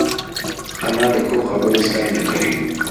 انا د ښو خبرو ستاینه کوي